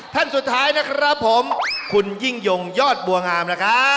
ท่านสุดท้ายนะครับผมคุณยิ่งยงยอดบัวงามนะครับ